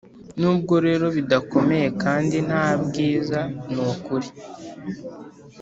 nubwo rero bidakomeye kandi nta bwiza, ni ukuri,